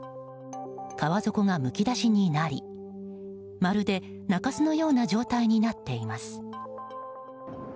川底がむき出しになりまるで中州のような状態になっています。